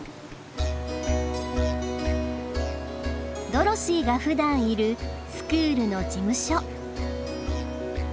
ドロシーがふだんいるスクールの事務所。